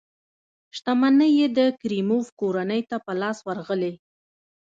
شتمنۍ یې د کریموف کورنۍ ته په لاس ورغلې.